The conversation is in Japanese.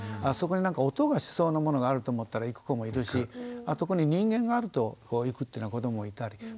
あそこに音がしそうなものがあると思ったら行く子もいるしあそこに人間があると行くっていうような子どももいたり。